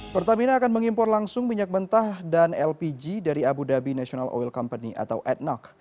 pertamina akan mengimpor langsung minyak mentah dan lpg dari abu dhabi national oil company atau atnac